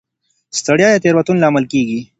ستړیا د تېروتنو لامل کېږي.